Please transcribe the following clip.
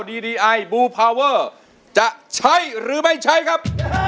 ดีดีไอบูพาวเวอร์จะใช้หรือไม่ใช้ครับ